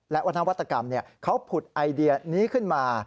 และวัฒนวัตกรรมเขาผุดไอเดียนี้ขึ้นมา